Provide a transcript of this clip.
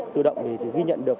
tự động ghi nhận được